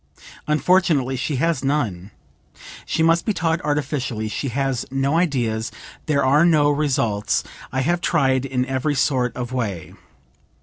Unfortunately she has none; she must be taught artificially; she has no ideas, there are no results, I have tried in every sort of way.